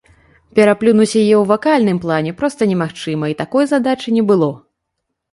Пераплюнуць яе ў вакальным плане проста немагчыма і такой задачы не было.